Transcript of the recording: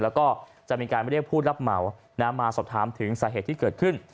แล้วก็จะมีการเรียกผู้รับเหมามาสอบถามถึงสาเหตุที่เกิดขึ้น